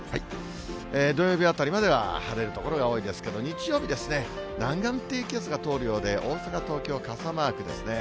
土曜日あたりまでは晴れる所が多いですけれども、日曜日、南岸低気圧が通るようで、大阪、東京、傘マークですね。